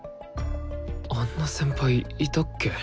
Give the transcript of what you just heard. あんな先輩いたっけ？